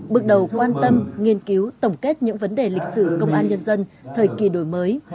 bước đầu quan tâm nghiên cứu tổng kết những vấn đề lịch sử công an nhân dân thời kỳ đổi mới